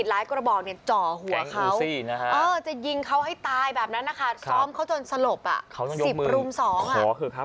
หลายกระบอกเนี่ยจ่อหัวเขาจะยิงเขาให้ตายแบบนั้นนะคะซ้อมเขาจนสลบ๑๐รุม๒อ่ะ